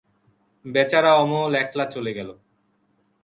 বেচারা অমল একলা চলে গেল।